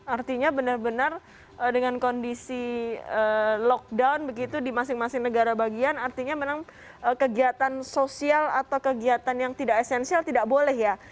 artinya benar benar dengan kondisi lockdown begitu di masing masing negara bagian artinya memang kegiatan sosial atau kegiatan yang tidak esensial tidak boleh ya